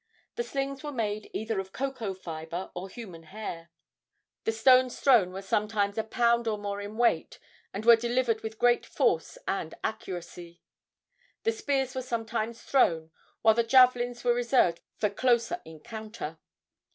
The slings were made either of cocoa fibre or human hair. The stones thrown were sometimes a pound or more in weight, and were delivered with great force and accuracy. The spears were sometimes thrown, while the javelins were reserved for closer encounter.